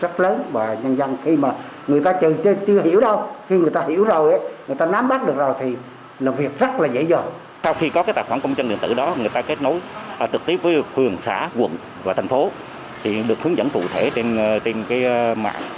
sau khi có tài khoản công chân điện tử đó người ta kết nối trực tiếp với phường xã quận và thành phố thì được hướng dẫn tụ thể trên mạng